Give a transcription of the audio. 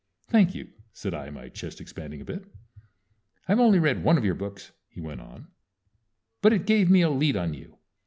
"Thank you," said I, my chest expanding a bit. "I've only read one of your books," he went on; "but it gave me a lead on you.